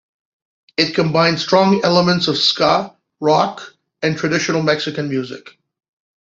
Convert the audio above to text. It combined strong elements of ska, rock and traditional Mexican music.